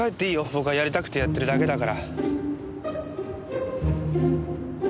僕はやりたくてやってるだけだから。